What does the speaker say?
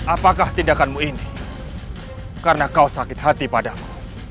apakah tindakanmu ini karena kau sakit hati padamu